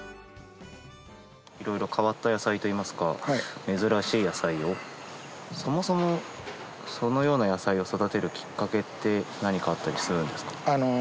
いろいろ変わった野菜といいますか珍しい野菜をそもそもそのような野菜を育てるきっかけって何かあったりするんですか？